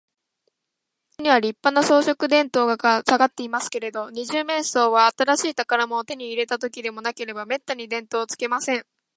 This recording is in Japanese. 部屋の天井には、りっぱな装飾電燈がさがっていますけれど、二十面相は、新しい宝物を手に入れたときででもなければ、めったに電燈をつけません。